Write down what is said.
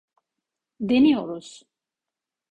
Deniyoruz.